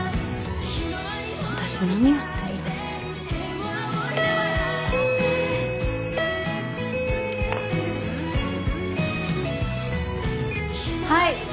私何やってんだろはい